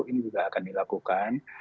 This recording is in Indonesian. ini juga akan dilakukan